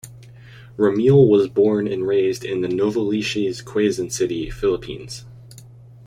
Ramil was born and raised in the Novaliches, Quezon City, Philippines.